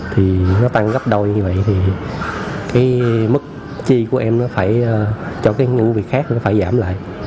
thì nó tăng gấp đôi như vậy thì cái mức chi của em nó phải cho cái việc khác nó phải giảm lại